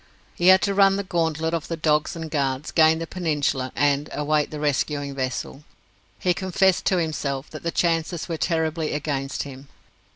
He had to run the gauntlet of the dogs and guards, gain the peninsula, and await the rescuing vessel. He confessed to himself that the chances were terribly against him.